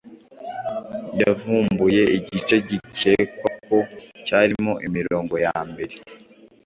yavumbuye igice gikekwa ko cyarimo imirongo ya mbere